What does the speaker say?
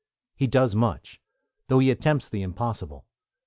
He does much, though he attempts the impossible.